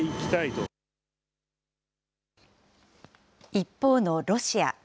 一方のロシア。